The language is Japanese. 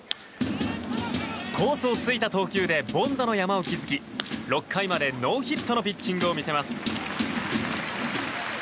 コースをついた投球で凡打の山を築き６回までノーヒットのピッチングを見せます。